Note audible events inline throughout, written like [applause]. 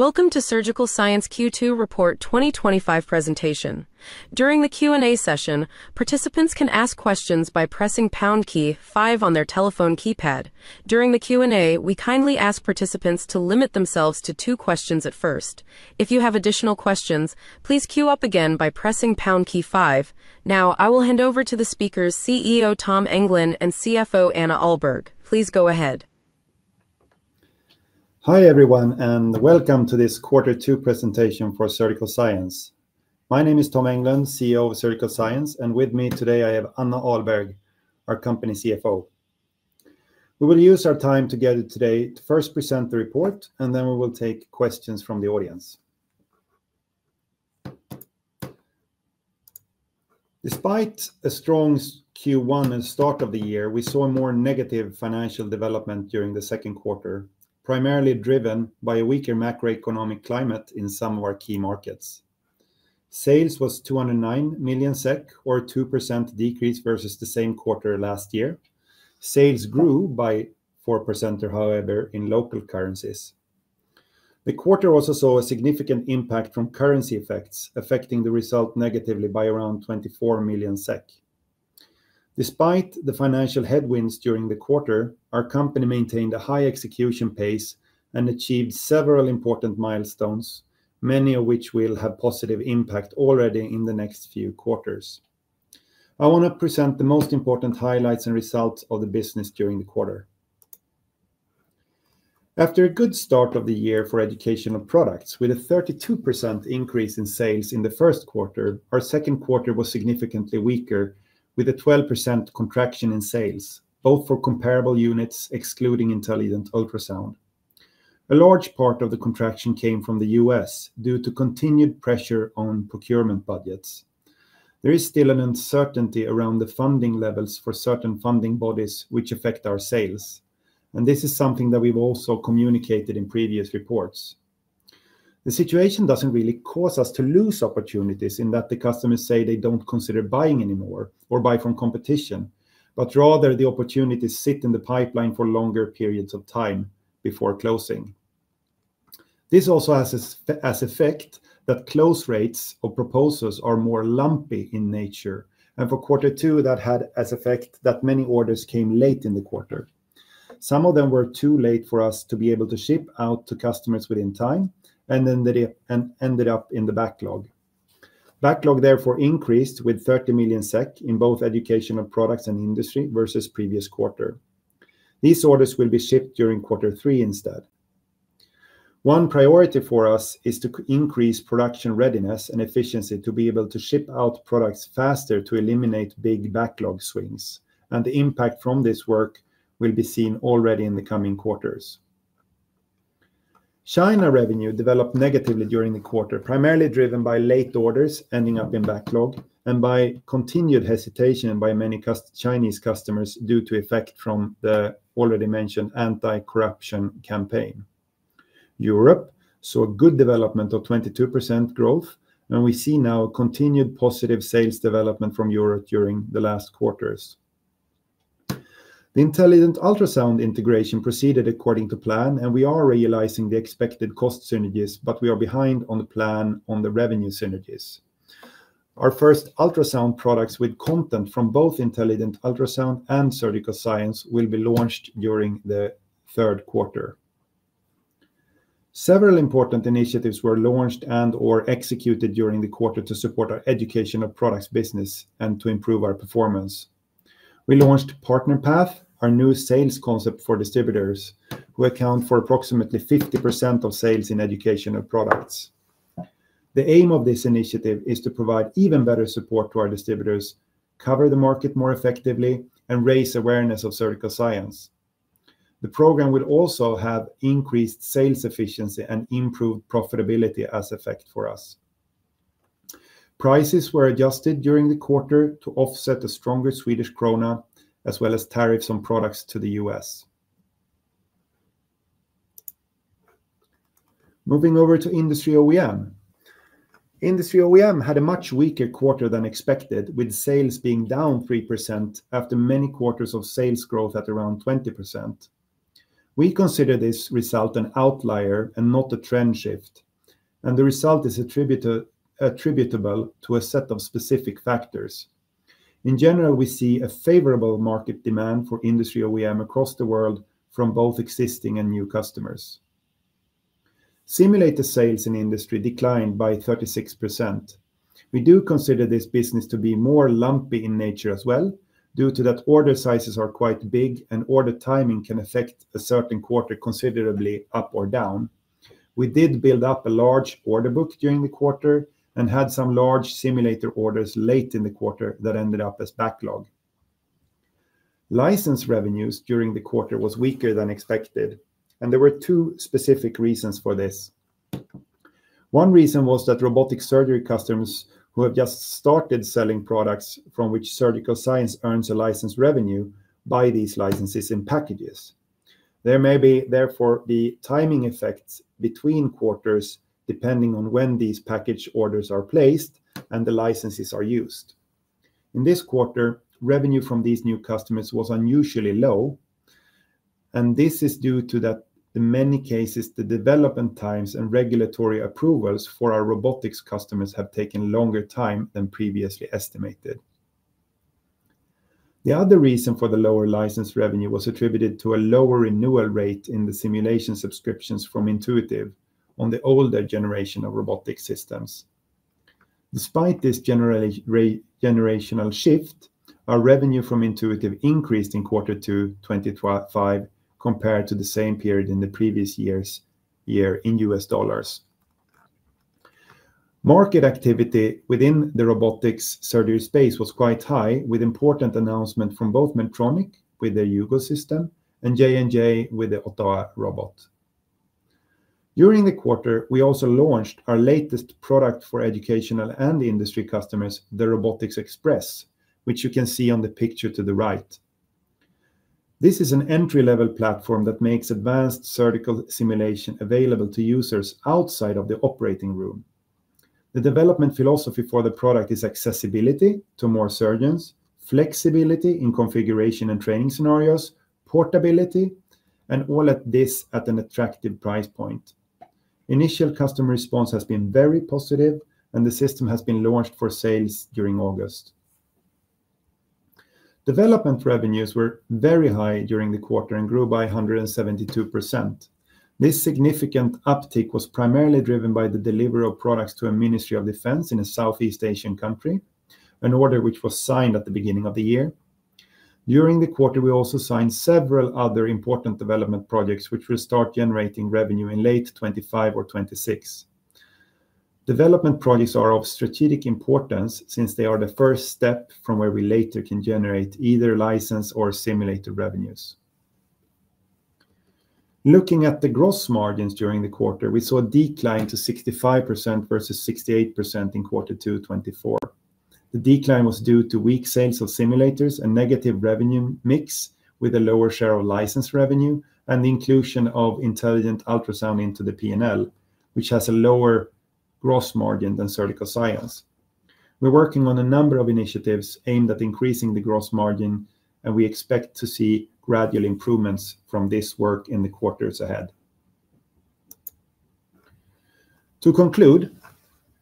Welcome to Surgical Science Q2 Report 2025 Presentation. During the Q&A session, participants can ask questions by pressing pound key 5 on their telephone keypad. During the Q&A, we kindly ask participants to limit themselves to two questions at first. If you have additional questions, please queue up again by pressing pound key 5. Now, I will hand over to the speakers, CEO Tom Englund and CFO Anna Ahlberg. Please go ahead. Hi everyone, and welcome to this Q2 presentation for Surgical Science. My name is Tom Englund, CEO of Surgical Science, and with me today I have Anna Ahlberg, our company CFO. We will use our time together today to first present the report, and then we will take questions from the audience. Despite a strong Q1 at the start of the year, we saw more negative financial development during the second quarter, primarily driven by a weaker macroeconomic climate in some of our key markets. Sales was 209 million SEK, or a 2% decrease versus the same quarter last year. Sales grew by 4%, however, in local currencies. The quarter also saw a significant impact from currency effects, affecting the result negatively by around 24 million SEK. Despite the financial headwinds during the quarter, our company maintained a high execution pace and achieved several important milestones, many of which will have a positive impact already in the next few quarters. I want to present the most important highlights and results of the business during the quarter. After a good start of the year for educational products, with a 32% increase in sales in the first quarter, our second quarter was significantly weaker, with a 12% contraction in sales, both for comparable units excluding Intelligent Ultrasound. A large part of the contraction came from the U.S. due to continued pressure on procurement budgets. There is still an uncertainty around the funding levels for certain funding bodies, which affect our sales, and this is something that we've also communicated in previous reports. The situation doesn't really cause us to lose opportunities in that the customers say they don't consider buying anymore or buy from competition, but rather the opportunities sit in the pipeline for longer periods of time before closing. This also has the effect that close rates of proposals are more lumpy in nature, and for Q2 that had the effect that many orders came late in the quarter. Some of them were too late for us to be able to ship out to customers within time, and then they ended up in the backlog. Backlog therefore increased with 30 million SEK in both educational products and industry versus the previous quarter. These orders will be shipped during Q3 instead. One priority for us is to increase production readiness and efficiency to be able to ship out products faster to eliminate big backlog swings, and the impact from this work will be seen already in the coming quarters. China revenue developed negatively during the quarter, primarily driven by late orders ending up in backlog and by continued hesitation by many Chinese customers due to effects from the already mentioned anti-corruption campaign. Europe saw a good development of 22% growth, and we see now continued positive sales development from Europe during the last quarters. The Intelligent Ultrasound integration proceeded according to plan, and we are realizing the expected cost synergies, but we are behind on the plan on the revenue synergies. Our first ultrasound products with content from both Intelligent Ultrasound and Surgical Science will be launched during the third quarter. Several important initiatives were launched and/or executed during the quarter to support our educational products business and to improve our performance. We launched Partner Path, our new sales concept for distributors, who account for approximately 50% of sales in educational products. The aim of this initiative is to provide even better support to our distributors, cover the market more effectively, and raise awareness of Surgical Science. The program will also have increased sales efficiency and improved profitability as an effect for us. Prices were adjusted during the quarter to offset the stronger Swedish krona, as well as tariffs on products to the U.S. Moving over to industry OEM. Industry OEM had a much weaker quarter than expected, with sales being down 3% after many quarters of sales growth at around 20%. We consider this result an outlier and not a trend shift, and the result is attributable to a set of specific factors. In general, we see a favorable market demand for industry OEM across the world from both existing and new customers. Simulator sales in industry declined by 36%. We do consider this business to be more lumpy in nature as well, due to that order sizes are quite big and order timing can affect a certain quarter considerably up or down. We did build up a large order book during the quarter and had some large simulator orders late in the quarter that ended up as backlog. License revenue during the quarter was weaker than expected, and there were two specific reasons for this. One reason was that robotic surgery customers who have just started selling products from which Surgical Science earns a license revenue buy these licenses in packages. There may therefore be timing effects between quarters depending on when these package orders are placed and the licenses are used. In this quarter, revenue from these new customers was unusually low, and this is due to that in many cases the development times and regulatory approvals for our robotics customers have taken longer time than previously estimated. The other reason for the lower license revenue was attributed to a lower renewal rate in the simulation subscriptions from Intuitive on the older generation of robotic systems. Despite this generational shift, our revenue from Intuitive increased in Q2 2025 compared to the same period in the previous year in U.S. dollars. Market activity within the robotic surgery space was quite high, with important announcements from both Medtronic with their Hugo system and J&J with the OTTAVA robot. During the quarter, we also launched our latest product for educational and industry customers, the RobotiX Express, which you can see on the picture to the right. This is an entry-level platform that makes advanced surgical simulation available to users outside of the operating room. The development philosophy for the product is accessibility to more surgeons, flexibility in configuration and training scenarios, portability, and all of this at an attractive price point. Initial customer response has been very positive, and the system has been launched for sales during August. Development revenues were very high during the quarter and grew by 172%. This significant uptick was primarily driven by the delivery of products to a Ministry of Defense in a Southeast Asian country, an order which was signed at the beginning of the year. During the quarter, we also signed several other important development projects which will start generating revenue in late 2025 or 2026. Development projects are of strategic importance since they are the first step from where we later can generate either license or simulator revenues. Looking at the gross margins during the quarter, we saw a decline to 65% versus 68% in Q2 2024. The decline was due to weak sales of simulators and negative revenue mix with a lower share of license revenue and the inclusion of Intelligent Ultrasound into the P&L, which has a lower gross margin than Surgical Science. We're working on a number of initiatives aimed at increasing the gross margin, and we expect to see gradual improvements from this work in the quarters ahead. To conclude,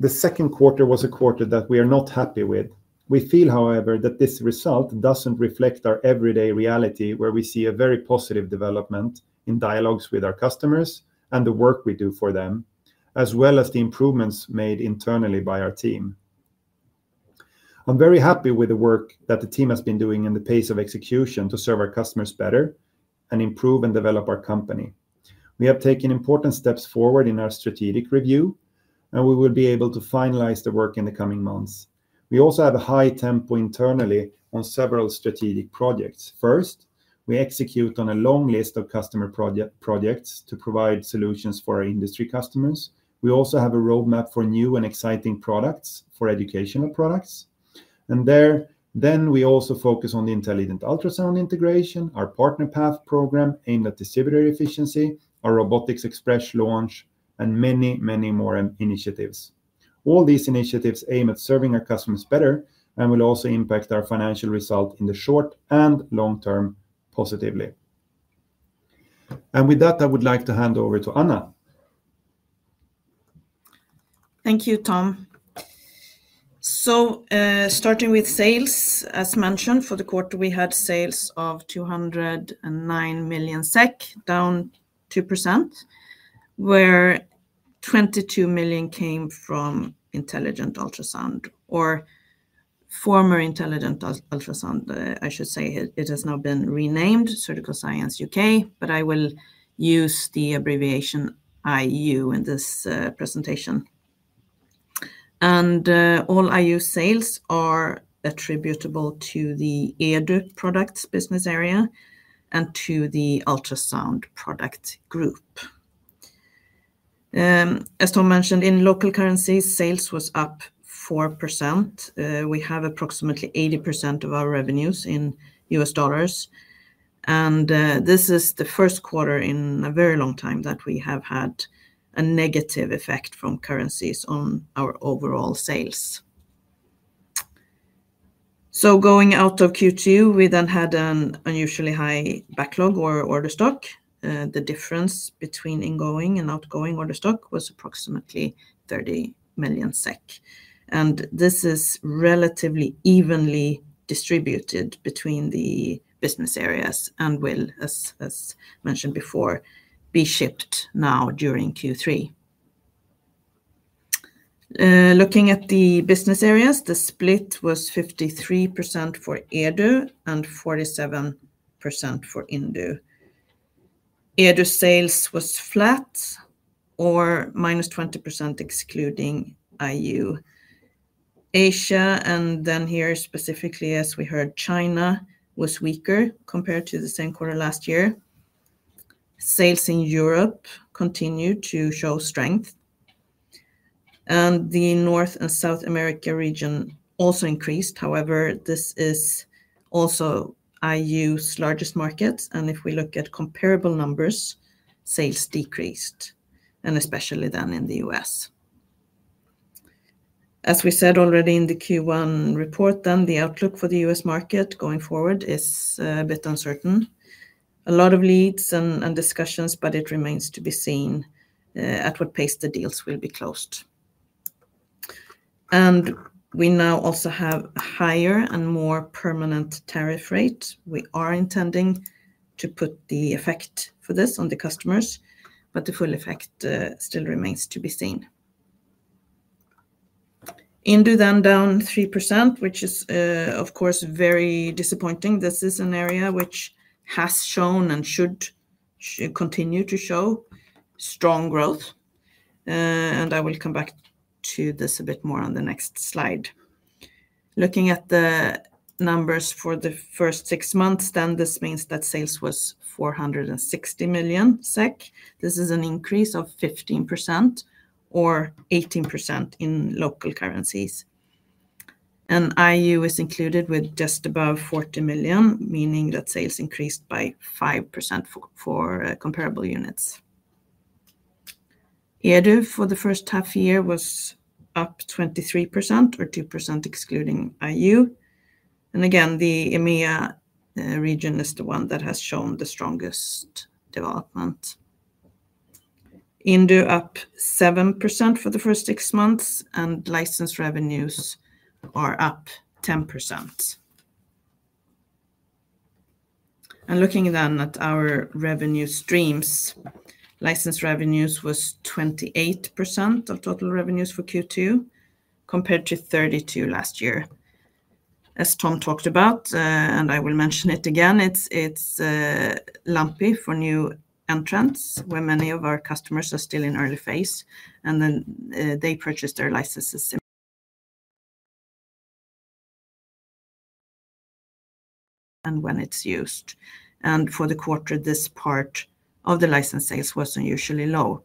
the second quarter was a quarter that we are not happy with. We feel, however, that this result doesn't reflect our everyday reality where we see a very positive development in dialogues with our customers and the work we do for them, as well as the improvements made internally by our team. I'm very happy with the work that the team has been doing in the pace of execution to serve our customers better and improve and develop our company. We have taken important steps forward in our strategic review, and we will be able to finalize the work in the coming months. We also have a high tempo internally on several strategic projects. First, we execute on a long list of customer projects to provide solutions for our industry customers. We also have a roadmap for new and exciting products for educational products. There, we also focus on the Intelligent Ultrasound integration, our Partner Path program aimed at distributor efficiency, our RobotiX Express launch, and many, many more initiatives. All these initiatives aim at serving our customers better and will also impact our financial result in the short and long term positively. With that, I would like to hand over to Anna. Thank you, Tom. Starting with sales, as mentioned, for the quarter, we had sales of 209 million SEK, down 2%, where 22 million came from Intelligent Ultrasound, or former Intelligent Ultrasound, I should say. It has now been renamed Surgical Science UK, but I will use the abbreviation IU in this presentation. All IU sales are attributable to the edu products business area and to the ultrasound product group. As Tom mentioned, in local currencies, sales were up 4%. We have approximately 80% of our revenues in U.S. dollars, and this is the first quarter in a very long time that we have had a negative effect from currencies on our overall sales. Going out of Q2, we then had an unusually high backlog or order stock. The difference between ingoing and outgoing order stock was approximately 30 million SEK, and this is relatively evenly distributed between the business areas and will, as mentioned before, be shipped now during Q3. Looking at the business areas, the split was 53% for edu and 47% for indu. Edu sales were flat or -20% excluding IU. Asia, and then here specifically, as we heard, China was weaker compared to the same quarter last year. Sales in Europe continued to show strength, and the North and South America region also increased. However, this is also IU's largest market, and if we look at comparable numbers, sales decreased, especially then in the U.S. As we said already in the Q1 report, the outlook for the U.S. market going forward is a bit uncertain. A lot of leads and discussions, but it remains to be seen at what pace the deals will be closed. We now also have a higher and more permanent tariff rate. We are intending to put the effect for this on the customers, but the full effect still remains to be seen. Indu then down 3%, which is of course very disappointing. This is an area which has shown and should continue to show strong growth, and I will come back to this a bit more on the next slide. Looking at the numbers for the first six months, this means that sales were 460 million SEK. This is an increase of 15% or 18% in local currencies. IU is included with just above 40 million, meaning that sales increased by 5% for comparable units. Edu for the first half year was up 23% or 2% excluding IU. Again, the EMEA region is the one that has shown the strongest development. Indu up 7% for the first six months, and license revenues are up 10%. Looking then at our revenue streams, license revenues was 28% of total revenues for Q2 compared to 32% last year. As Tom talked about, and I will mention it again, it's lumpy for new entrants where many of our customers are still in early phase, and then they purchase their licenses when it's used. For the quarter, this part of the license sales was unusually low.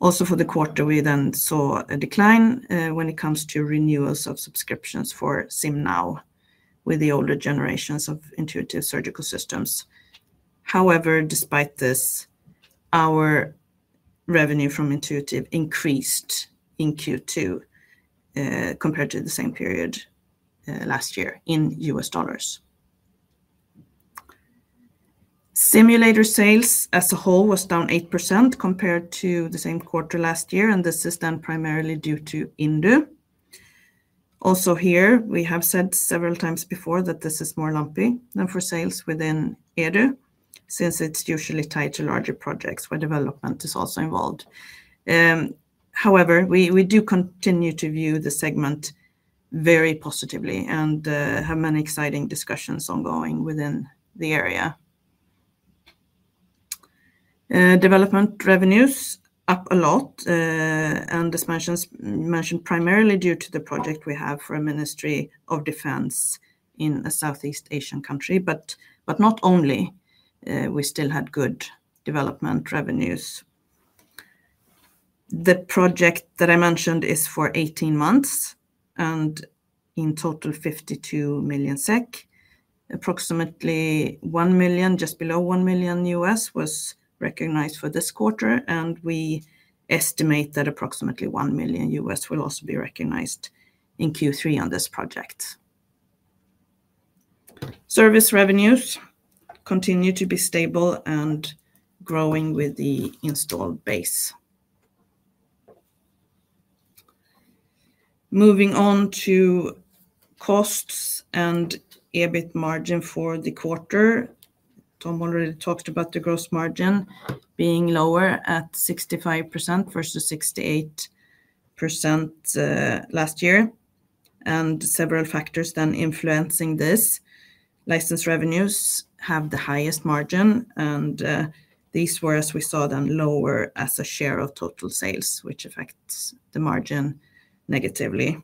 Also, for the quarter, we then saw a decline when it comes to renewals of subscriptions for SimNow with the older generations of Intuitive surgical systems. However, despite this, our revenue from Intuitive increased in Q2 compared to the same period last year in U.S. dollars. Simulator sales as a whole were down 8% compared to the same quarter last year, and this is then primarily due to indu. Also here, we have said several times before that this is more lumpy than for sales within edu since it's usually tied to larger projects where development is also involved. We do continue to view the segment very positively and have many exciting discussions ongoing within the area. Development revenues up a lot, and as mentioned, primarily due to the project we have for a Ministry of Defense in a Southeast Asian country, but not only. We still had good development revenues. The project that I mentioned is for 18 months, and in total, 52 million SEK. Approximately $1 million, just below $1 million, was recognized for this quarter, and we estimate that approximately $1 million will also be recognized in Q3 on this project. Service revenues continue to be stable and growing with the installed base. Moving on to costs and EBIT margin for the quarter, Tom already talked about the gross margin being lower at 65% versus 68% last year, and several factors then influencing this. License revenues have the highest margin, and these were, as we saw, then lower as a share of total sales, which affects the margin negatively.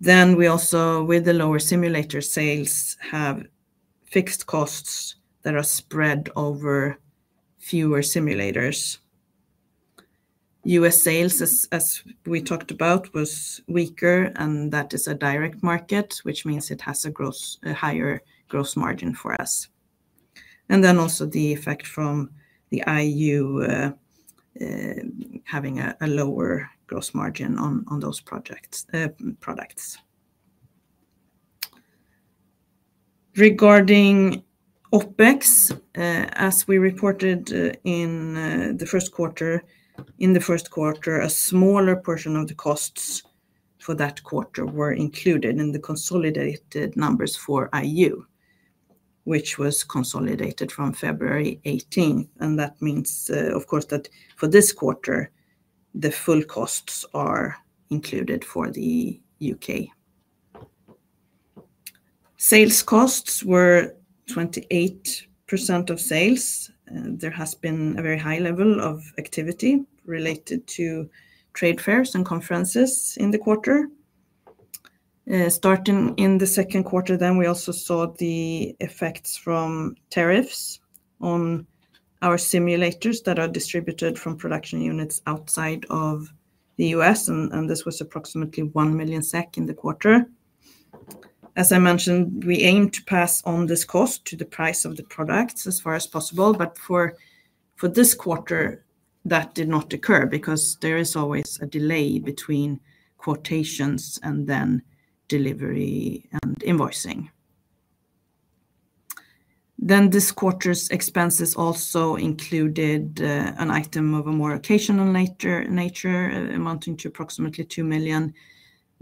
With the lower simulator sales, we have fixed costs that are spread over fewer simulators. U.S. sales, as we talked about, were weaker, and that is a direct market, which means it has a higher gross margin for us. There is also the effect from the IU having a lower gross margin on those products. Regarding OpEx, as we reported in the first quarter, in the first quarter, a smaller portion of the costs for that quarter were included in the consolidated numbers for IU, which was consolidated from February 18. That means, of course, that for this quarter, the full costs are included for the U.K. Sales costs were 28% of sales. There has been a very high level of activity related to trade fairs and conferences in the quarter. Starting in the second quarter, we also saw the effects from tariffs on our simulators that are distributed from production units outside of the U.S., and this was approximately 1 million SEK in the quarter. As I mentioned, we aimed to pass on this cost to the price of the products as far as possible, but for this quarter, that did not occur because there is always a delay between quotations and then delivery and invoicing. This quarter's expenses also included an item of a more occasional nature, amounting to approximately 2 million,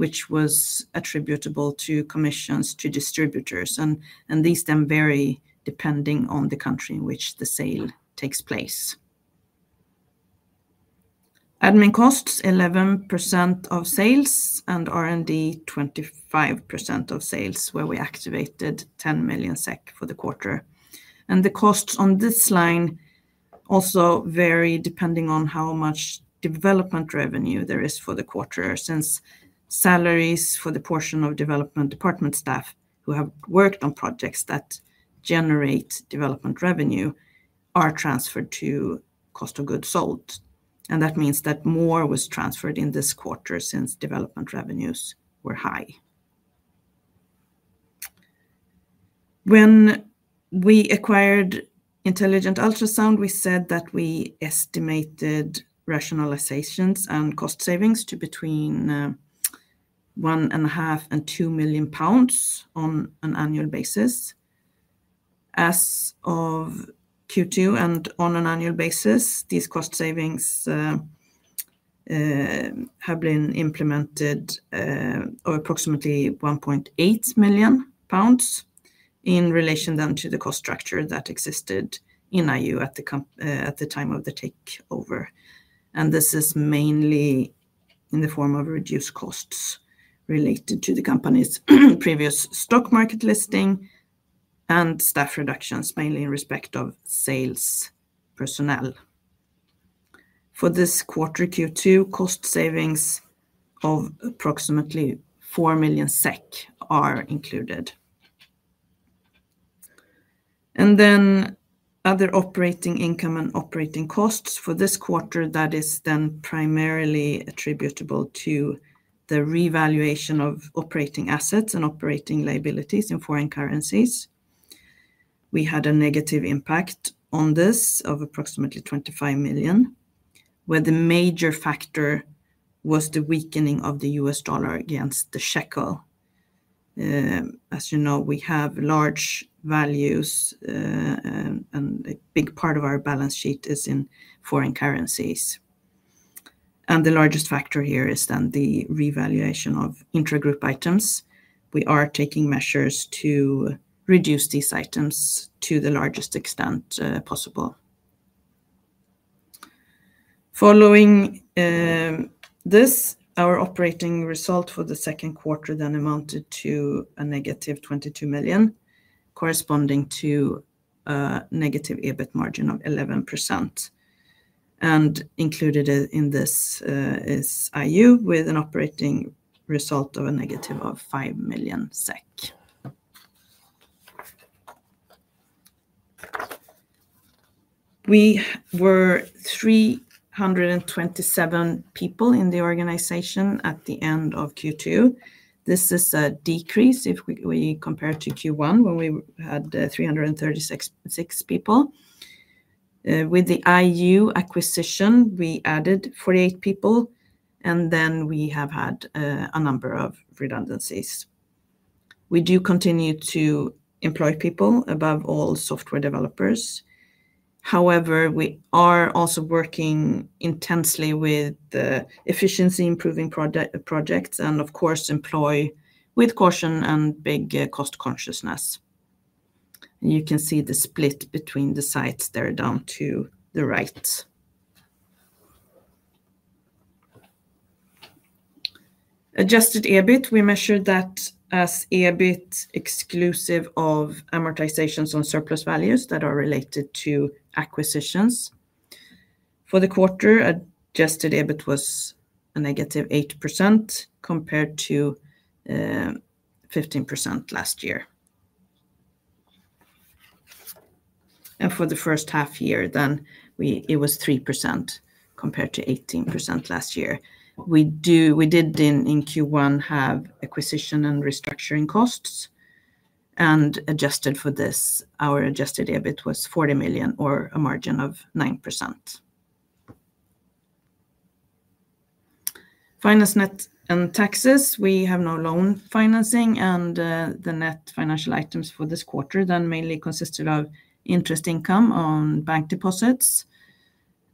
which was attributable to commissions to distributors, and these vary depending on the country in which the sale takes place. Admin costs were 11% of sales, and R&D 25% of sales, where we activated 10 million SEK for the quarter. The costs on this line also vary depending on how much development revenue there is for the quarter, since salaries for the portion of development department staff who have worked on projects that generate development revenue are transferred to cost of goods sold. That means that more was transferred in this quarter since development revenues were high. When we acquired Intelligent Ultrasound, we said that we estimated rationalizations and cost savings to be between GBP 1.5 million and 2 million pounds on an annual basis. As of Q2 and on an annual basis, these cost savings have been implemented of approximately 1.8 million pounds in relation to the cost structure that existed in IU at the time of the takeover. This is mainly in the form of reduced costs related to the company's previous stock market listing and staff reductions, mainly in respect of sales personnel. For this quarter, Q2, cost savings of approximately 4 million SEK are included. Other operating income and operating costs for this quarter are primarily attributable to the revaluation of operating assets and operating liabilities in foreign currencies. We had a negative impact on this of approximately 25 million, where the major factor was the weakening of the U.S. dollar against the shekel. As you know, we have large values, and a big part of our balance sheet is in foreign currencies. The largest factor here is the revaluation of intra-group items. We are taking measures to reduce these items to the largest extent possible. Following this, our operating result for the second quarter then amounted to a -22 million, corresponding to a negative EBIT margin of 11%. Included in this is IU with an operating result of a -5 million SEK. We were 327 people in the organization at the end of Q2. This is a decrease if we compare to Q1 when we had 336 people. With the IU acquisition, we added 48 people, and then we have had a number of redundancies. We do continue to employ people, above all, software developers. However, we are also working intensely with efficiency-improving projects and, of course, employ with caution and big cost consciousness. You can see the split between the sites there down to the right. Adjusted EBIT, we measured that as EBIT exclusive of amortizations on surplus values that are related to acquisitions. For the quarter, adjusted EBIT was a negative 8% compared to 15% last year. For the first half year, then it was 3% compared to 18% last year. We did, in Q1, have acquisition and restructuring costs, and adjusted for this, our adjusted EBIT was 40 million or a margin of 9%. Finance net and taxes, we have no loan financing, and the net financial items for this quarter then mainly consisted of interest income on bank deposits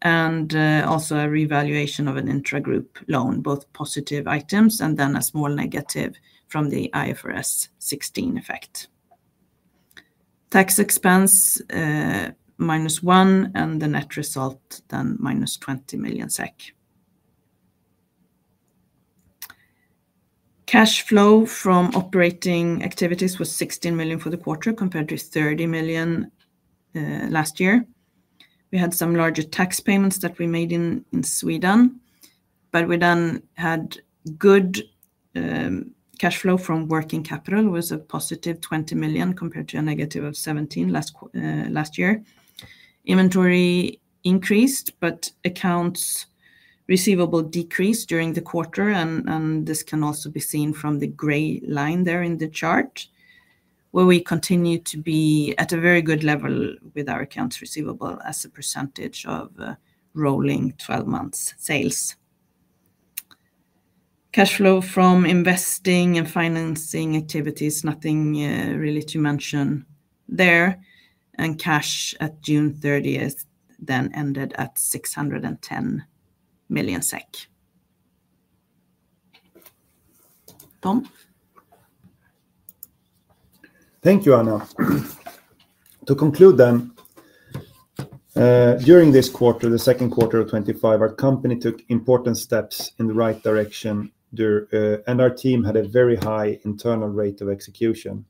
and also a revaluation of an intra-group loan, both positive items, and then a small negative from the IFRS 16 effect. Tax expense -1, and the net result then -20 million SEK. Cash flow from operating activities was 16 million for the quarter compared to 30 million last year. We had some larger tax payments that we made in Sweden, but we then had good cash flow from working capital, was +20 million compared to -17 million last year. Inventory increased, but accounts receivable decreased during the quarter, and this can also be seen from the gray line there in the chart, where we continue to be at a very good level with our accounts receivable as a percentage of rolling 12 months sales. Cash flow from investing and financing activities, nothing really to mention there, and cash at June 30th then ended at 610 million SEK. Tom? Thank you, Anna. To conclude then, during this quarter, the second quarter of 2025, our company took important steps in the right direction, and our team had a very high internal rate of execution.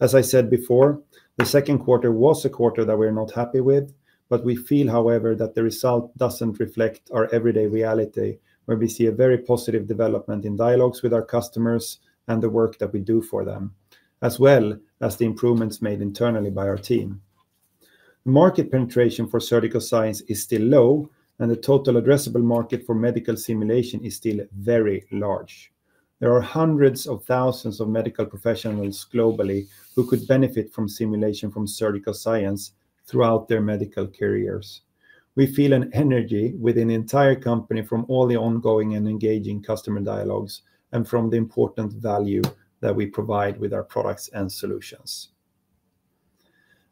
As I said before, the second quarter was a quarter that we are not happy with, but we feel, however, that the result doesn't reflect our everyday reality, where we see a very positive development in dialogues with our customers and the work that we do for them, as well as the improvements made internally by our team. Market penetration for Surgical Science is still low, and the total addressable market for medical simulation is still very large. There are hundreds of thousands of medical professionals globally who could benefit from simulation from Surgical Science throughout their medical careers. We feel an energy within the entire company from all the ongoing and engaging customer dialogues and from the important value that we provide with our products and solutions.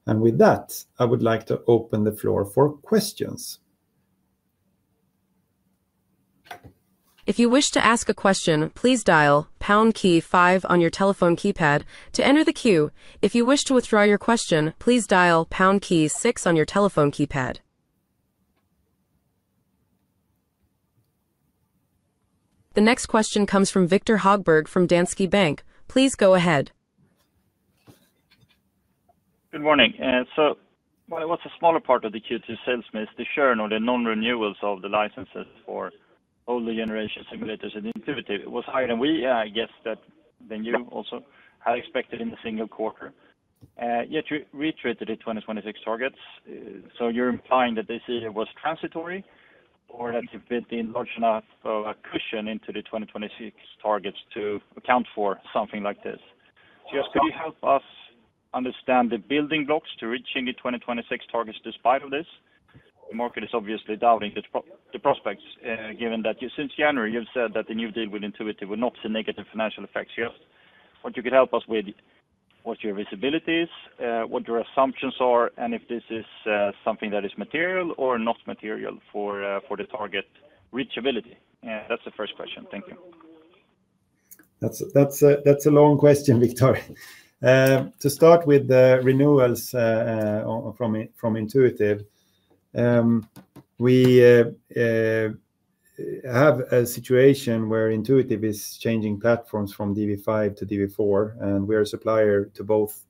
With that, I would like to open the floor for questions. If you wish to ask a question, please dial pound key 5 on your telephone keypad to enter the queue. If you wish to withdraw your question, please dial pound key 6 on your telephone keypad. The next question comes from Viktor Högberg from Danske Bank. Please go ahead. Good morning. It was a smaller part of the Q2 sales missed. The churn or the non-renewals of the licenses for older generation simulators in Intuitive was higher than we had guessed, and you also had expected in the single quarter. Yet you reached the 2026 targets. You're implying that this year was transitory or that you fit in large enough cushion into the 2026 targets to account for something like this. Yes, could you help us understand the building blocks to reaching the 2026 targets despite all this? The market is obviously doubting the prospects, given that since January, you've said that the new deal with Intuitive will not see negative financial effects. What you could help us with, what your visibility is, what your assumptions are, and if this is something that is material or not material for the target reachability. That's the first question. Thank you. That's a long question, Viktor. To start with the renewals from Intuitive, we have a situation where Intuitive is changing platforms from DV5 to DV4, and we're a supplier to both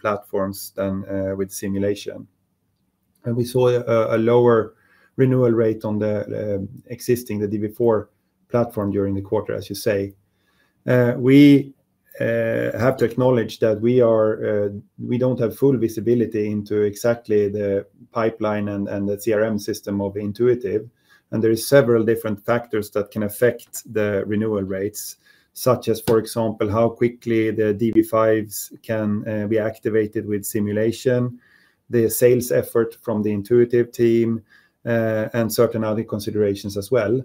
platforms with simulation. We saw a lower renewal rate on the existing DV4 platform during the quarter, as you say. We have to acknowledge that we don't have full visibility into exactly the pipeline and the CRM system of Intuitive, and there are several different factors that can affect the renewal rates, such as, for example, how quickly the DV5s can be activated with simulation, the sales effort from the Intuitive team, and certain other considerations as well,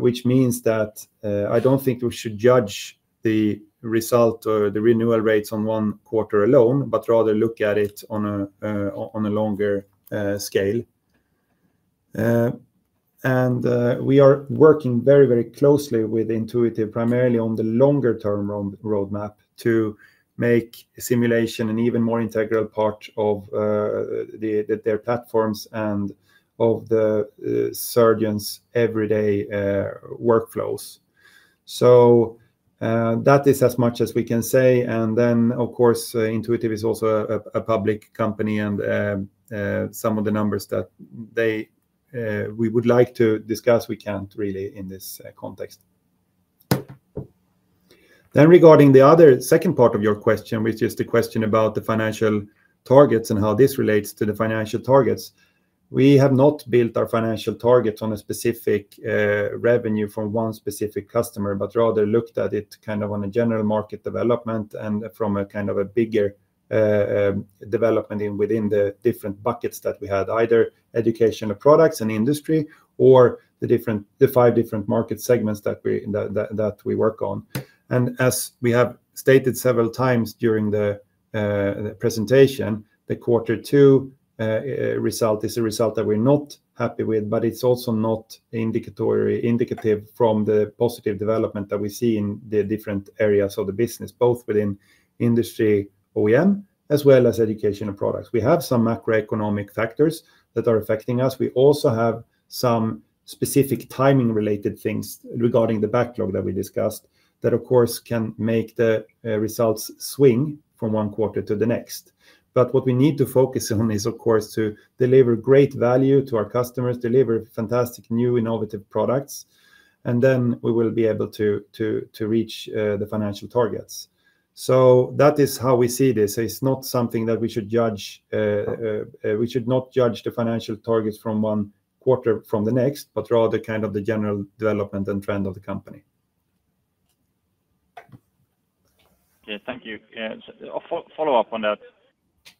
which means that I don't think we should judge the result or the renewal rates on one quarter alone, but rather look at it on a longer scale. We are working very, very closely with Intuitive primarily on the longer-term roadmap to make simulation an even more integral part of their platforms and of the surgeon's everyday workflows. That is as much as we can say. Of course, Intuitive is also a public company, and some of the numbers that we would like to discuss, we can't really in this context. Regarding the other second part of your question, which is the question about the financial targets and how this relates to the financial targets, we have not built our financial targets on a specific revenue from one specific customer, but rather looked at it kind of on a general market development and from a kind of a bigger development within the different buckets that we had, either educational products and industry or the five different market segments that we work on. As we have stated several times during the presentation, the quarter two result is a result that we're not happy with, but it's also not indicative from the positive development that we see in the different areas of the business, both within industry OEM as well as educational products. We have some macroeconomic factors that are affecting us. We also have some specific timing-related things regarding the backlog that we discussed that, of course, can make the results swing from one quarter to the next. What we need to focus on is, of course, to deliver great value to our customers, deliver fantastic new innovative products, and then we will be able to reach the financial targets. That is how we see this. It's not something that we should judge. We should not judge the financial targets from one quarter from the next, but rather kind of the general development and trend of the company. Thank you. Follow up on that.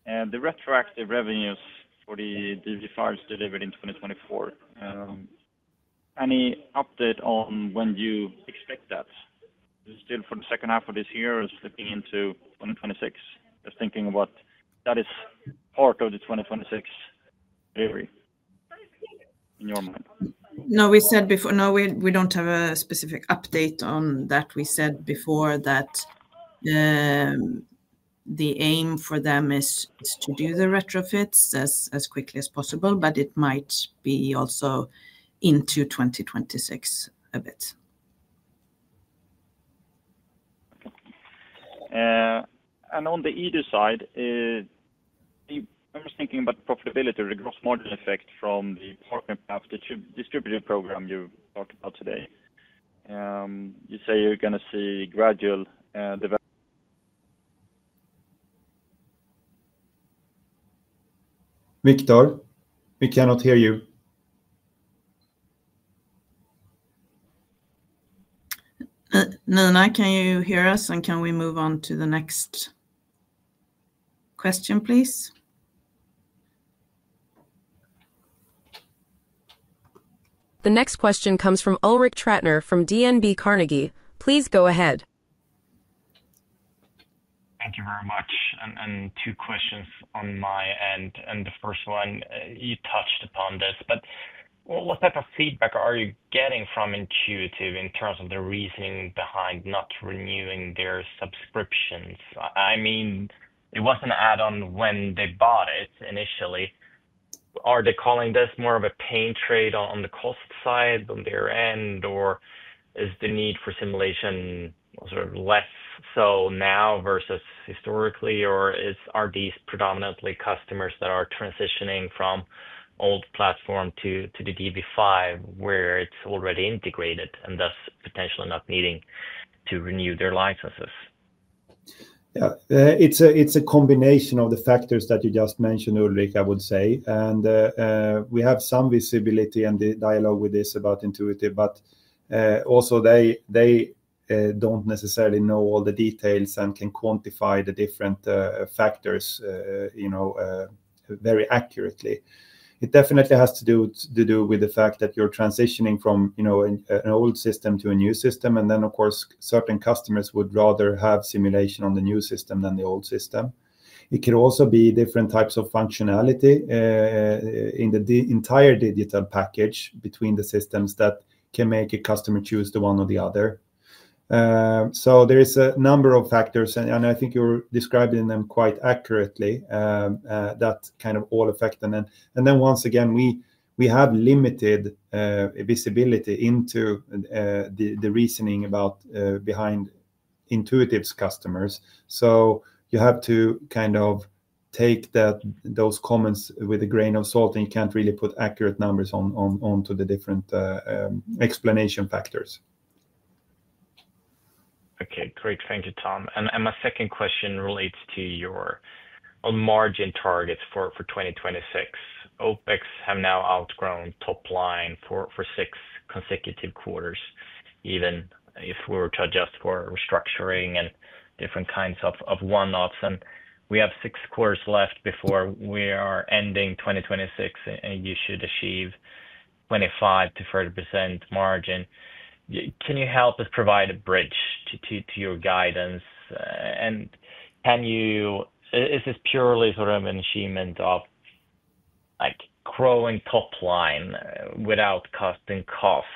The retroactive revenues for the DV5s delivered in 2024, any update on when you expect that? Is it still for the second half of this year or slipping into 2026? Just thinking of what that is part of the 2026 delivery in your mind. No, we said before, now we don't have a specific update on that. We said before that the aim for them is to do the retrofits as quickly as possible, but it might be also into 2026 a bit. On the edu side, I'm just thinking about the profitability or the gross margin effect from the Partner Path distributor program you talked about today. You say you're going to see gradual development. [audio distortion] Victor, we cannot hear you. Can you hear us, and can we move on to the next question, please? The next question comes from Ulrik Trattner from DNB Carnegie. Please go ahead. Thank you very much. Two questions on my end. The first one, you touched upon this, but what type of feedback are you getting from Intuitive in terms of the reasoning behind not renewing their subscriptions? I mean, it wasn't an add-on when they bought it initially. Are they calling this more of a pain trade on the cost side on their end, or is the need for simulation sort of less so now versus historically, or are these predominantly customers that are transitioning from old platform to the DV5 where it's already integrated and thus potentially not needing to renew their licenses? Yeah, it's a combination of the factors that you just mentioned, Ulrik, I would say. We have some visibility and dialogue with this about Intuitive, but also they don't necessarily know all the details and can quantify the different factors very accurately. It definitely has to do with the fact that you're transitioning from an old system to a new system, and of course, certain customers would rather have simulation on the new system than the old system. It could also be different types of functionality in the entire digital package between the systems that can make a customer choose the one or the other. There are a number of factors, and I think you're describing them quite accurately, that kind of all affect them. Once again, we have limited visibility into the reasoning behind Intuitive's customers. You have to kind of take those comments with a grain of salt, and you can't really put accurate numbers onto the different explanation factors. Okay, great. Thank you, Tom. My second question relates to your margin targets for 2026. OpEx have now outgrown top line for six consecutive quarters, even if we were to adjust for restructuring and different kinds of one-offs. We have six quarters left before we are ending 2026, and you should achieve 25%-30% margin. Can you help us provide a bridge to your guidance? Is this purely sort of an achievement of like growing top line without costing costs?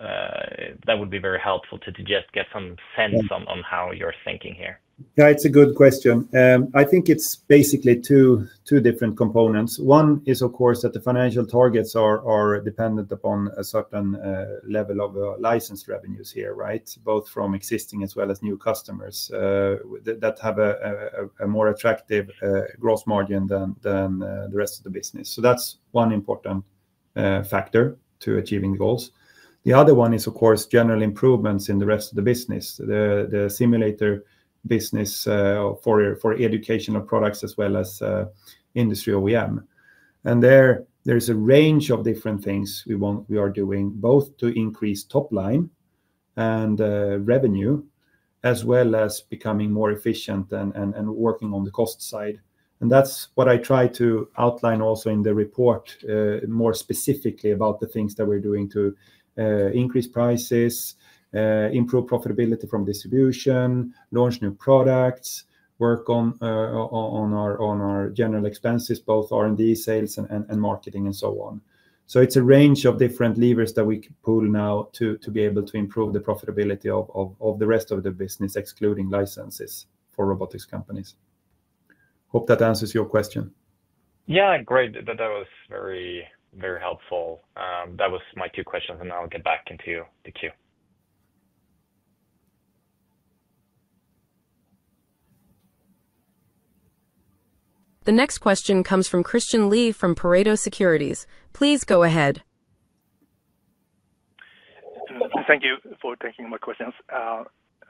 That would be very helpful to just get some sense on how you're thinking here. Yeah, it's a good question. I think it's basically two different components. One is, of course, that the financial targets are dependent upon a certain level of license revenues here, right? Both from existing as well as new customers that have a more attractive gross margin than the rest of the business. That's one important factor to achieving the goals. The other one is, of course, general improvements in the rest of the business, the simulator business for educational products as well as industry OEM. There is a range of different things we are doing, both to increase top line and revenue, as well as becoming more efficient and working on the cost side. That's what I try to outline also in the report, more specifically about the things that we're doing to increase prices, improve profitability from distribution, launch new products, work on our general expenses, both R&D, sales, and marketing, and so on. It's a range of different levers that we pull now to be able to improve the profitability of the rest of the business, excluding licenses for robotics companies. Hope that answers your question. Great. That was very, very helpful. That was my two questions, and now I'll get back into the queue. The next question comes from Christian Lee from Pareto Securities. Please go ahead. Thank you for taking my questions.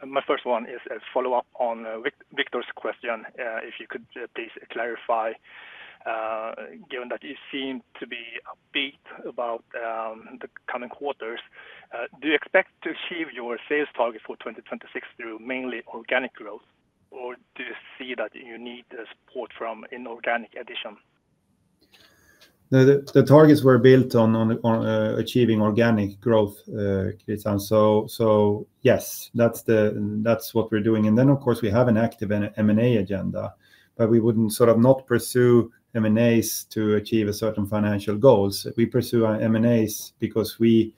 My first one is a follow-up on Viktor's question. If you could please clarify, given that you seem to be upbeat about the coming quarters, do you expect to achieve your sales target for 2026 through mainly organic growth, or do you see that you need support from an inorganic addition? The targets were built on achieving organic growth, Christian. Yes, that's what we're doing. Of course, we have an active M&A agenda, but we wouldn't sort of not pursue M&As to achieve a certain financial goal. We pursue M&As because we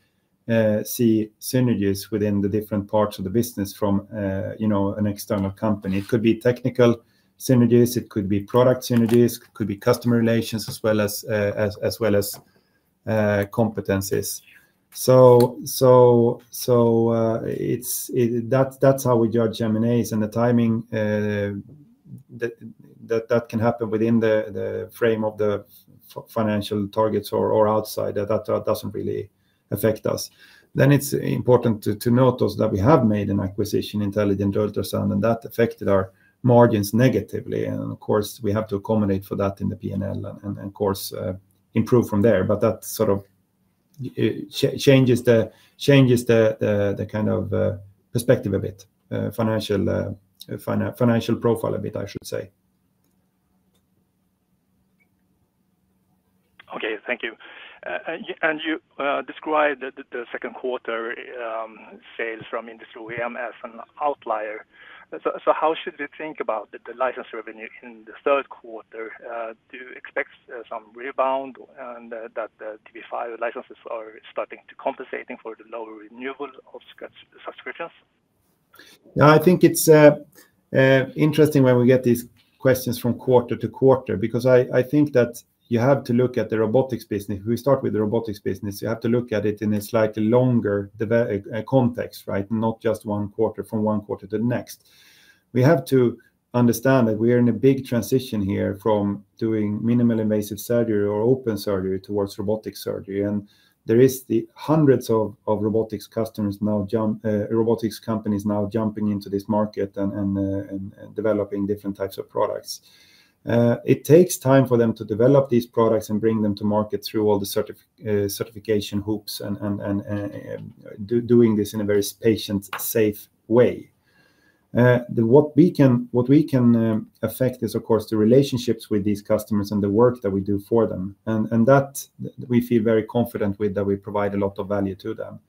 see synergies within the different parts of the business from an external company. It could be technical synergies, it could be product synergies, it could be customer relations, as well as competencies. That's how we judge M&As, and the timing that can happen within the frame of the financial targets or outside, that doesn't really affect us. It's important to note that we have made an acquisition in Intelligent Ultrasound, and that affected our margins negatively. Of course, we have to accommodate for that in the P&L and, of course, improve from there. That sort of changes the kind of perspective a bit, financial profile a bit, I should say. Okay, thank you. You described the second quarter sales from industry OEM as an outlier. How should we think about the license revenue in the third quarter? Do you expect some rebound and that the DV5 licenses are starting to compensate for the lower renewal of subscriptions? Yeah, I think it's interesting when we get these questions from quarter to quarter because I think that you have to look at the robotics business. We start with the robotics business. You have to look at it in a slightly longer context, right? Not just one quarter from one quarter to the next. We have to understand that we are in a big transition here from doing minimally invasive surgery or open surgery towards robotic surgery. There are hundreds of robotics companies now jumping into this market and developing different types of products. It takes time for them to develop these products and bring them to market through all the certification hoops and doing this in a very patient, safe way. What we can affect is, of course, the relationships with these customers and the work that we do for them. We feel very confident with that, that we provide a lot of value to them.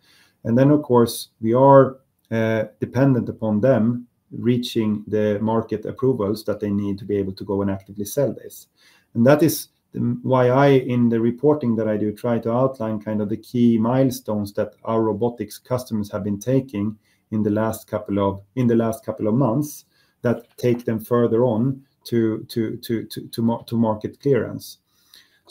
We are dependent upon them reaching the market approvals that they need to be able to go and actively sell this. That is why I, in the reporting that I do, try to outline kind of the key milestones that our robotics customers have been taking in the last couple of months that take them further on to market clearance.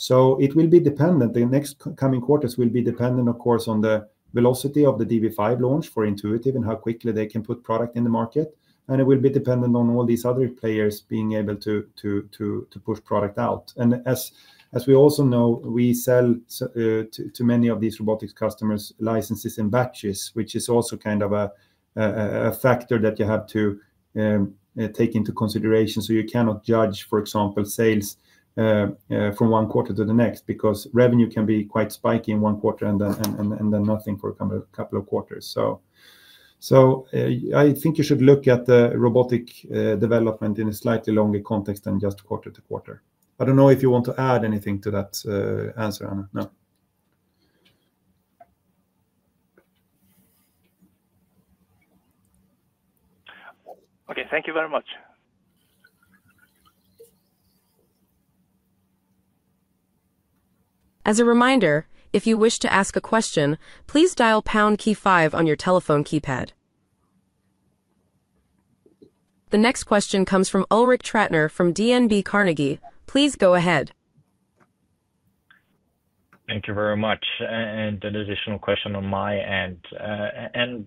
It will be dependent. The next coming quarters will be dependent, of course, on the velocity of the DV5 launch for Intuitive and how quickly they can put product in the market. It will be dependent on all these other players being able to push product out. As we also know, we sell to many of these robotics customers licenses in batches, which is also kind of a factor that you have to take into consideration. You cannot judge, for example, sales from one quarter to the next because revenue can be quite spiky in one quarter and then nothing for a couple of quarters. I think you should look at the robotic development in a slightly longer context than just quarter to quarter. I don't know if you want to add anything to that answer, Anna. Okay, thank you very much. As a reminder, if you wish to ask a question, please dial pound key 5 on your telephone keypad. The next question comes from Ulrik Trattner from DNB Carnegie. Please go ahead. Thank you very much. An additional question on my end,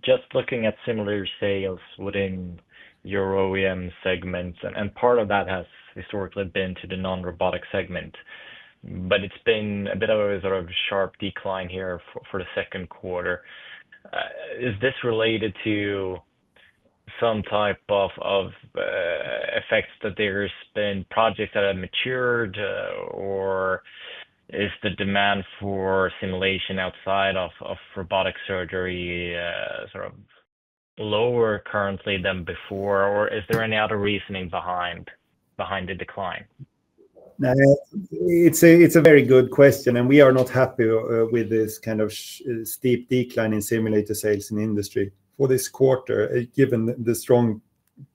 just looking at simulator sales within your OEM segment. Part of that has historically been to the non-robotic segment, but it's been a bit of a sort of sharp decline here for the second quarter. Is this related to some type of effect that there's been projects that have matured, or is the demand for simulation outside of robotic surgery sort of lower currently than before, or is there any other reasoning behind the decline? It's a very good question, and we are not happy with this kind of steep decline in simulator sales in the industry for this quarter, given the strong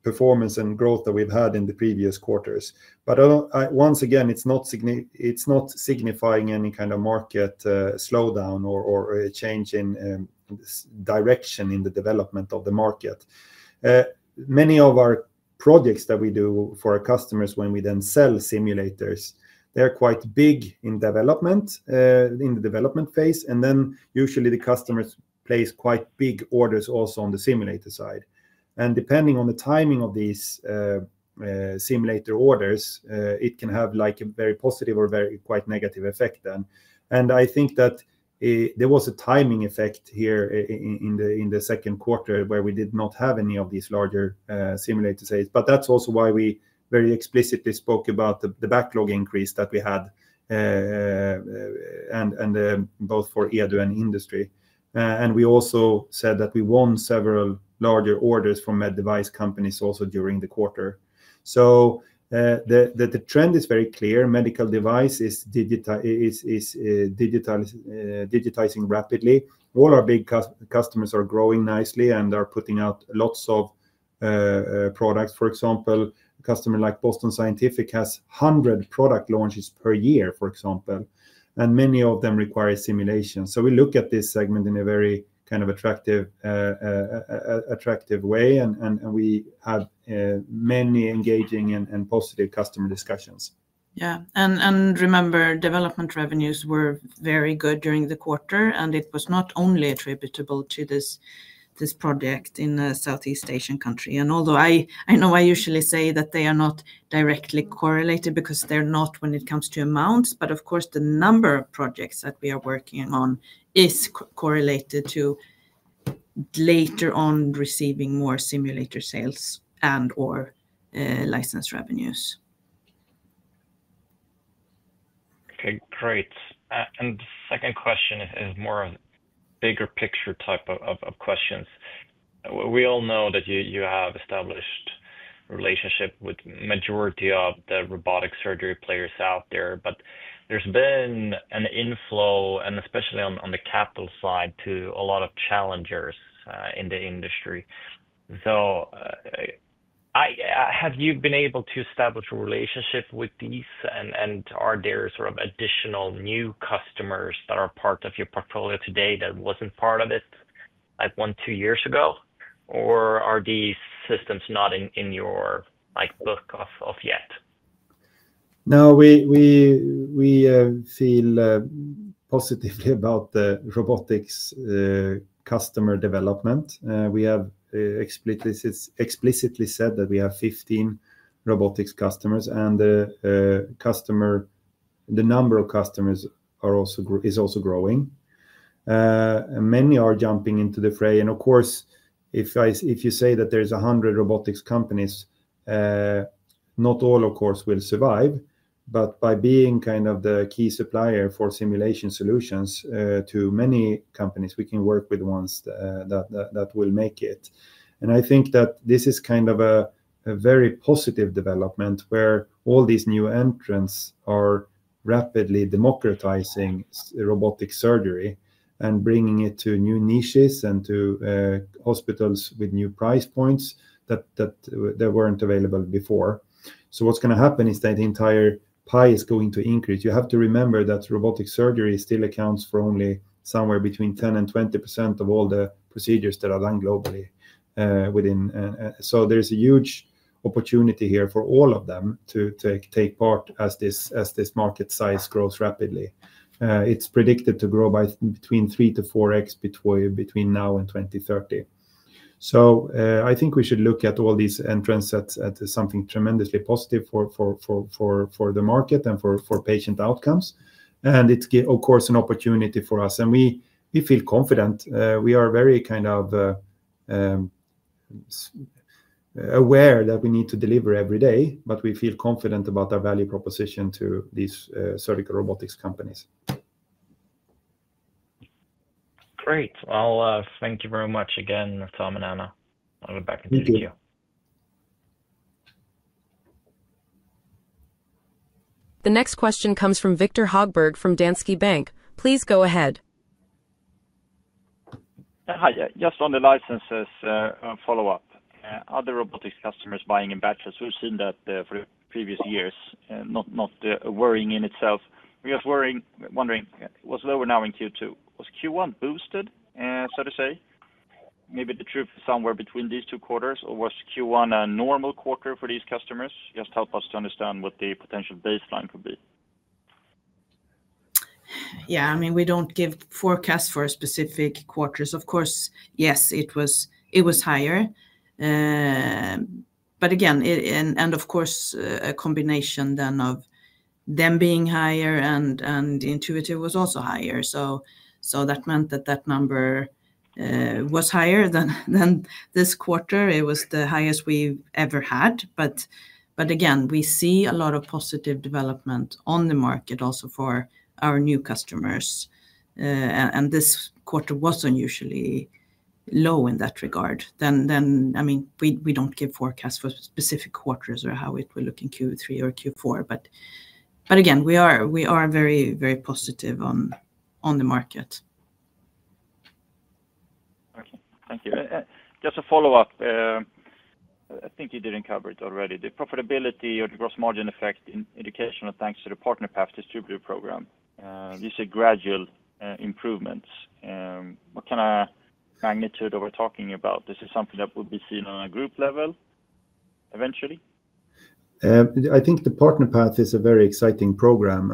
performance and growth that we've had in the previous quarters. It is not signifying any kind of market slowdown or a change in direction in the development of the market. Many of our projects that we do for our customers, when we then sell simulators, they're quite big in the development phase, and usually the customers place quite big orders also on the simulator side. Depending on the timing of these simulator orders, it can have a very positive or quite negative effect. I think that there was a timing effect here in the second quarter where we did not have any of these larger simulator sales, which is also why we very explicitly spoke about the backlog increase that we had, both for educational products and industry. We also said that we won several larger orders from med device companies during the quarter. The trend is very clear. Medical devices are digitizing rapidly. All our big customers are growing nicely and are putting out lots of products. For example, a customer like Boston Scientific has 100 product launches per year, and many of them require simulation. We look at this segment in a very attractive way, and we have many engaging and positive customer discussions. Yeah, remember, development revenues were very good during the quarter, and it was not only attributable to this project in the Southeast Asian country. Although I know I usually say that they are not directly correlated because they're not when it comes to amounts, the number of projects that we are working on is correlated to later on receiving more simulator sales and/or license revenues. Okay, great. The second question is more of a bigger picture type of question. We all know that you have established a relationship with the majority of the robotic surgery players out there, but there's been an inflow, especially on the capital side, to a lot of challengers in the industry. Have you been able to establish a relationship with these, and are there sort of additional new customers that are part of your portfolio today that weren't part of it like one, two years ago, or are these systems not in your book yet? No, we feel positively about the robotics customer development. We have explicitly said that we have 15 robotics customers, and the number of customers is also growing. Many are jumping into the fray. Of course, if you say that there are 100 robotics companies, not all, of course, will survive. By being kind of the key supplier for simulation solutions to many companies, we can work with ones that will make it. I think that this is kind of a very positive development where all these new entrants are rapidly democratizing robotic surgery and bringing it to new niches and to hospitals with new price points that weren't available before. What's going to happen is that the entire pie is going to increase. You have to remember that robotic surgery still accounts for only somewhere between 10% and 20% of all the procedures that are done globally. There's a huge opportunity here for all of them to take part as this market size grows rapidly. It's predicted to grow by between 3x-4x between now and 2030. I think we should look at all these entrants as something tremendously positive for the market and for patient outcomes. It's, of course, an opportunity for us. We feel confident. We are very kind of aware that we need to deliver every day, but we feel confident about our value proposition to these surgical robotics companies. Great. Thank you very much again, Tom and Anna. I'll be back in. Thank you. The next question comes from Viktor Högberg from Danske Bank. Please go ahead. Hi, just on the licenses follow-up. Other robotics customers buying in batches, we've seen that for the previous years, not worrying in itself. We are wondering, was lower now in Q2. Was Q1 boosted, so to say? Maybe the truth is somewhere between these two quarters, or was Q1 a normal quarter for these customers? Just help us to understand what the potential baseline could be. Yeah, I mean, we don't give forecasts for specific quarters. Of course, yes, it was higher. Again, a combination of them being higher and Intuitive was also higher. That meant that number was higher than this quarter. It was the highest we've ever had. Again, we see a lot of positive development on the market also for our new customers. This quarter wasn't unusually low in that regard. I mean, we don't give forecasts for specific quarters or how it will look in Q3 or Q4. Again, we are very, very positive on the market. Okay, thank you. Just a follow-up. I think you didn't cover it already. The profitability or the gross margin effect in educational products thanks to the Partner Path distributor program. These are gradual improvements. What kind of magnitude are we talking about? This is something that would be seen on a group level eventually? I think the Partner Path is a very exciting program.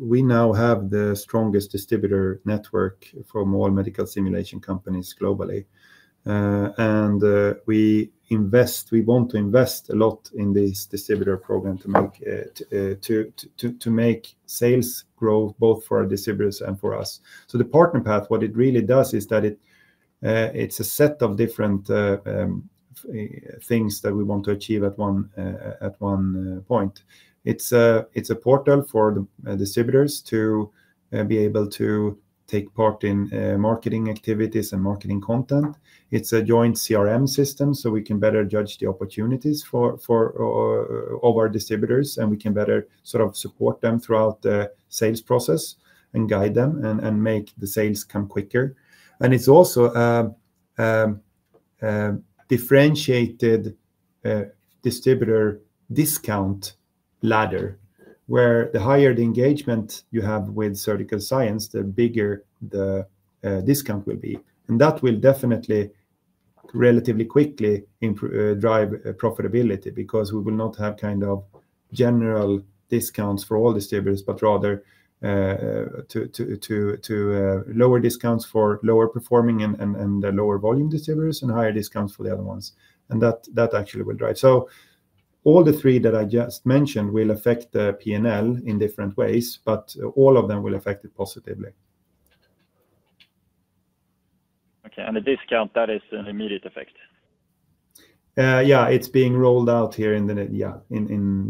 We now have the strongest distributor network from all medical simulation companies globally. We invest, we want to invest a lot in this distributor program to make sales growth both for our distributors and for us. The Partner Path, what it really does is that it's a set of different things that we want to achieve at one point. It's a portal for the distributors to be able to take part in marketing activities and marketing content. It's a joint CRM system, so we can better judge the opportunities of our distributors, and we can better sort of support them throughout the sales process and guide them and make the sales come quicker. It's also a differentiated distributor discount ladder where the higher the engagement you have with Surgical Science, the bigger the discount will be. That will definitely relatively quickly drive profitability because we will not have kind of general discounts for all distributors, but rather lower discounts for lower performing and lower volume distributors and higher discounts for the other ones. That actually will drive. All the three that I just mentioned will affect the P&L in different ways, but all of them will affect it positively. Okay, the discount, that is an immediate effect. It's being rolled out here in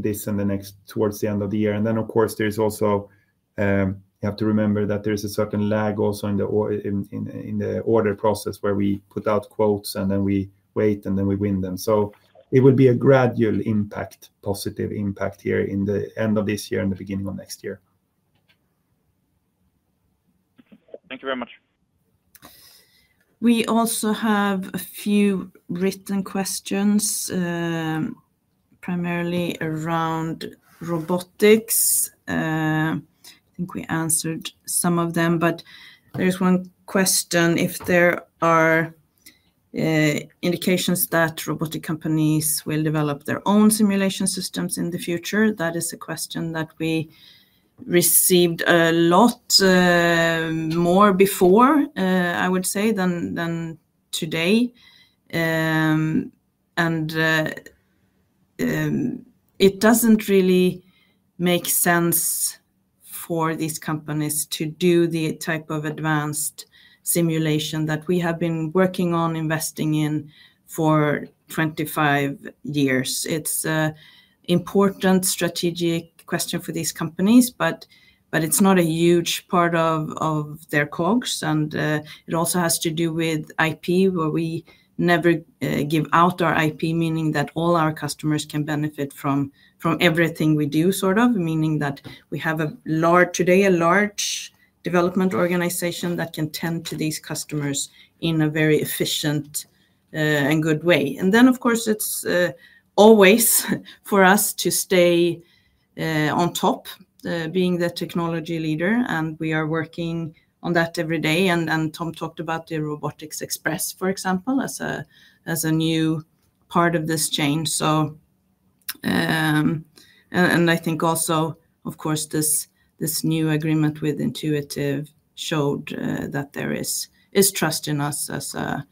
this and the next towards the end of the year. Of course, you have to remember that there's a certain lag also in the order process where we put out quotes and then we wait and then we win them. It will be a gradual impact, positive impact here in the end of this year and the beginning of next year. Thank you very much. We also have a few written questions, primarily around robotics. I think we answered some of them, but there's one question if there are indications that robotic companies will develop their own simulation systems in the future. That is a question that we received a lot more before, I would say, than today. It doesn't really make sense for these companies to do the type of advanced simulation that we have been working on investing in for 25 years. It's an important strategic question for these companies, but it's not a huge part of their COGS. It also has to do with IP, where we never give out our IP, meaning that all our customers can benefit from everything we do, sort of, meaning that we have a large, today, a large development organization that can tend to these customers in a very efficient and good way. Of course, it's always for us to stay on top, being the technology leader, and we are working on that every day. Tom talked about the RobotiX Express, for example, as a new part of this change. I think also, of course, this new agreement with Intuitive showed that there is trust in us as a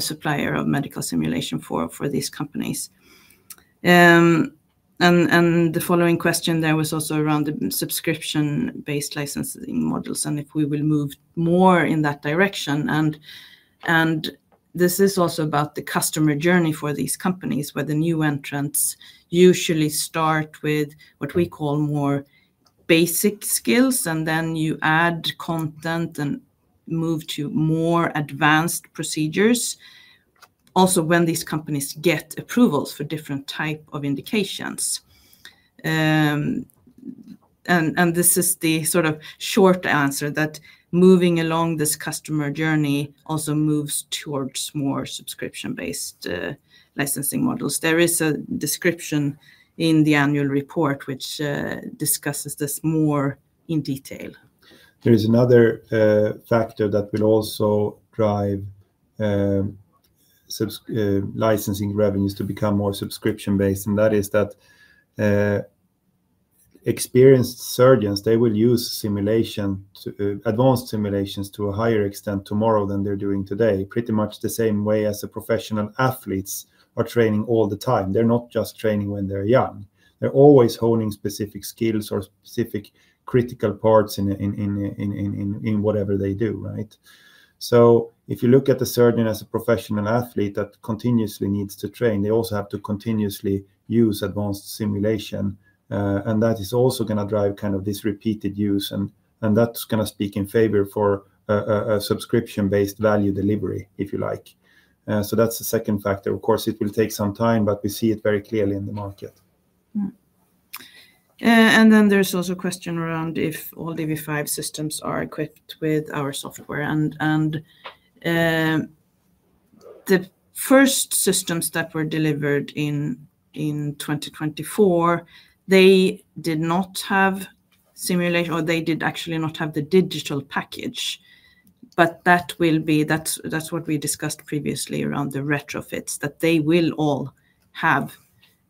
supplier of medical simulation for these companies. The following question there was also around the subscription-based licensing models and if we will move more in that direction. This is also about the customer journey for these companies, where the new entrants usually start with what we call more basic skills, and then you add content and move to more advanced procedures, also when these companies get approvals for different types of indications. This is the sort of short answer that moving along this customer journey also moves towards more subscription-based licensing models. There is a description in the annual report which discusses this more in detail. There is another factor that will also drive licensing revenues to become more subscription-based, and that is that experienced surgeons, they will use simulation, advanced simulations to a higher extent tomorrow than they're doing today, pretty much the same way as the professional athletes are training all the time. They're not just training when they're young. They're always honing specific skills or specific critical parts in whatever they do, right? If you look at the surgeon as a professional athlete that continuously needs to train, they also have to continuously use advanced simulation. That is also going to drive kind of this repeated use, and that's going to speak in favor for a subscription-based value delivery, if you like. That's the second factor. Of course, it will take some time, but we see it very clearly in the market. There is also a question around if all DV5 systems are equipped with our software. The first systems that were delivered in 2024 did not have simulation, or they did not have the digital package. That is what we discussed previously around the retrofits, that they will all have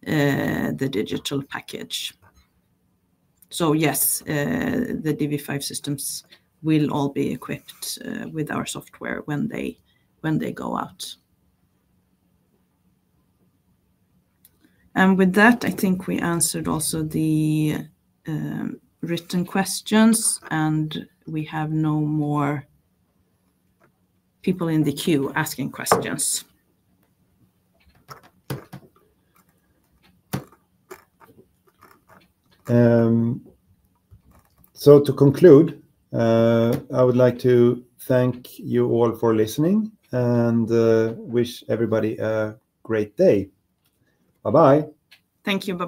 the digital package. Yes, the DV5 systems will all be equipped with our software when they go out. With that, I think we answered also the written questions, and we have no more people in the queue asking questions. To conclude, I would like to thank you all for listening and wish everybody a great day. Bye-bye. Thank you, bye.